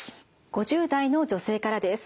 ５０代の女性からです。